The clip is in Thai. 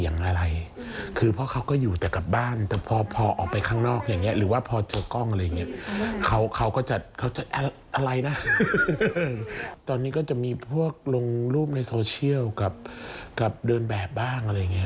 งานเป็นงานเดี่ยวของน้องหรือว่าคู่กับคุณพ่อหรือเปล่า